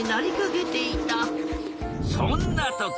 そんなとき。